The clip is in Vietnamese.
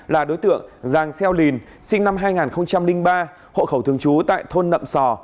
là đối tượng giàng xeo lìn sinh năm hai nghìn ba hộ khẩu thường trú tại thôn nậm sò